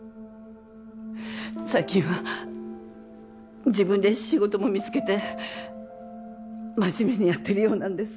最近は自分で仕事も見つけて真面目にやってるようなんです。